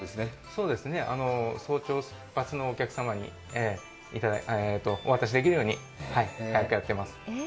そうです、早朝出発のお客様にお渡しできるように早くやってます。